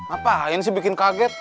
apa ini sih bikin kaget